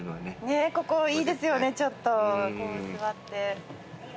ねぇここいいですよねちょっとこう座って。